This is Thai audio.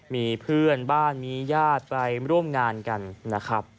มีเพื่อนบ้านมีญาติไปร่วมงานกันนะครับ